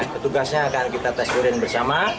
petugasnya akan kita tes durian bersama